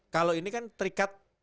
kalau ini kan terikat